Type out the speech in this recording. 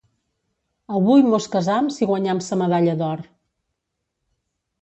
Avui mos casam si guanyam sa medalla d'or.